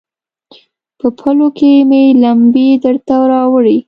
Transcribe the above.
په پلو کې مې لمبې درته راوړي